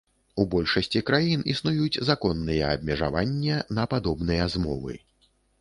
У большасці краін існуюць законныя абмежаванне на падобныя змовы.